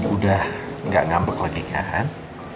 udah gak ngambek lagi kan